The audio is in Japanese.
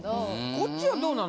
こっちはどうなの？